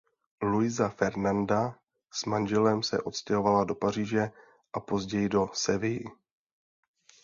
Luisa Fernanda s manželem se odstěhovala do Paříže a později do Sevilly.